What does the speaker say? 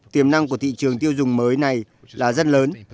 tiềm năng của thị trường tiêu dùng mới này là rất lớn